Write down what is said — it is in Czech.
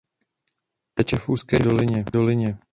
Teče v úzké dolině.